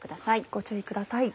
ご注意ください。